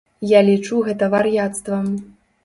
Я лічу гэта вар'яцтвам.